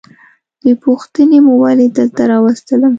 بې پوښتنې مو ولي دلته راوستلم؟